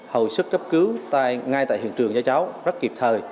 hồi sức cấp cứu ngay tại hiện trường cho cháu rất kịp thời